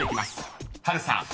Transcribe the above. ［波瑠さん